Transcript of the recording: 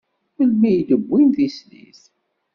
Melmi i d-wwin tislit?